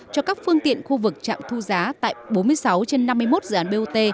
cho các phương tiện khu vực trạm thu giá tại bốn mươi sáu trên năm mươi một dự án bot